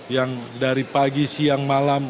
yang dari pagi siang malam